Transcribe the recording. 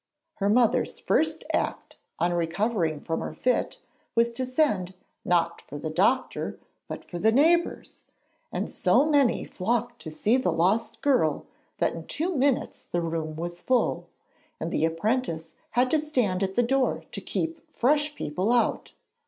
Her mother's first act on recovering from her fit was to send, not for the doctor but for the neighbours, and so many flocked to see the lost girl, that in two minutes the room was full, and the apprentice had to stand at the door to keep fresh people out.